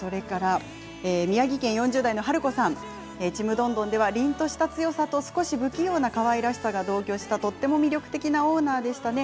宮城県４０代の方「ちむどんどん」ではりんとした強さと少し不器用なかわいらしさが同居したとても魅力的な女でしたね。